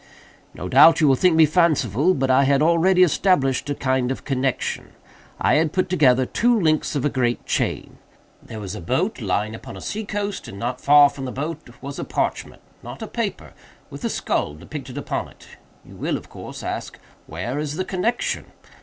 "No doubt you will think me fanciful—but I had already established a kind of connexion. I had put together two links of a great chain. There was a boat lying upon a sea coast, and not far from the boat was a parchment—not a paper—with a skull depicted upon it. You will, of course, ask 'where is the connexion?